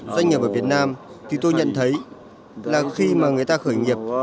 doanh nghiệp ở việt nam thì tôi nhận thấy là khi mà người ta khởi nghiệp